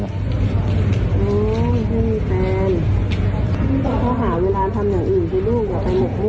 เขาหาเวลาทำอย่างอื่นไปดูอย่าไปหมกว้น